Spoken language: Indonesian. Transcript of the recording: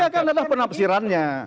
bukan dia kan adalah penafsirannya